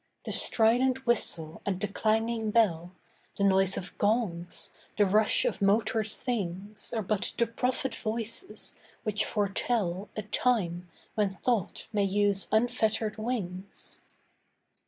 The strident whistle and the clanging bell, The noise of gongs, the rush of motored things Are but the prophet voices which foretell A time when thought may use unfettered wings.